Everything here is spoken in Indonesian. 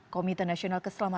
komite nasional kesehatan